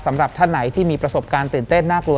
สำหรับท่านไหนที่มีประสบการณ์ตื่นเต้นน่ากลัว